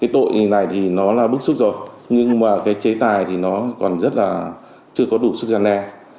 tội này thì nó là bức xúc rồi nhưng mà cái chế tài thì nó còn rất là chưa có đủ sức gian đe